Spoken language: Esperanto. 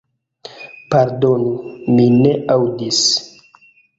Pardonu, mi ne aŭdis.